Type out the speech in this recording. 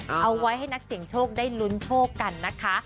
เอาไว้ให้นักเสียงโชคได้ลุ้นโชคกันนะคะ